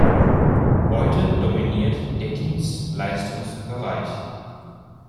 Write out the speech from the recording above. Heute dominiert der Dienstleistungsbereich.